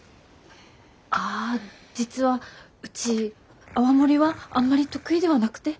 あ実はうち泡盛はあんまり得意ではなくて。